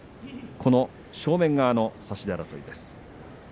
正面側の差し手争いです。